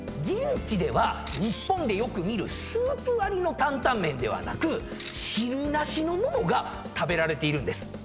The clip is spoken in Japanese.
現地では日本でよく見るスープありの担々麺ではなく汁なしの物が食べられているんです。